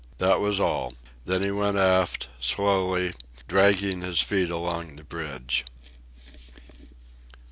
That was all. Then he went aft, slowly, dragging his feet along the bridge.